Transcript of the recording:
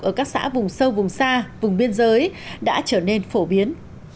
ở các xã vùng sâu vùng xa vùng biên giới đã trở nên phổ biến